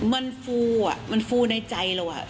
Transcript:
มันฟูอ่ะมันฟูในใจเรา